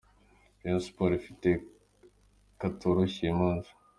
Rayon Sports ifite katoroshye uyu munsi.